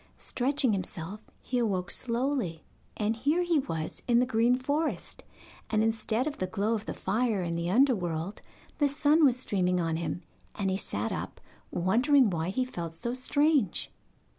Stretching himself, he awoke slowly, and here he was in the green forest, and instead of the glow of the fire in the underworld the sun was streaming on him, and he sat up wondering why he felt so strange.